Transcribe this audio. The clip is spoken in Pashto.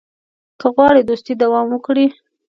که غواړې دوستي دوام وکړي.